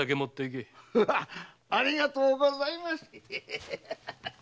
ありがとうございます。